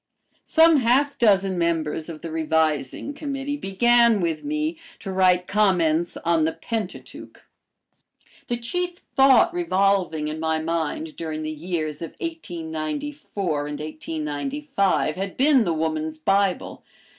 Some half dozen members of the Revising Committee began with me to write "Comments on the Pentateuch." The chief thought revolving in my mind during the years of 1894 and 1895 had been "The Woman's Bible."